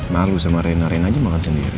malu sama rena rena aja makan sendiri